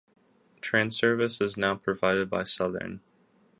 Train service is now provided by Southern.